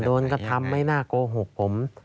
โดนกระทำไม่น่าโกหกผม